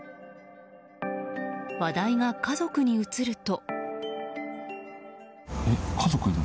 話題が家族に移ると。